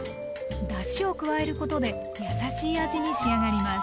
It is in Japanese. だしを加えることで優しい味に仕上がります。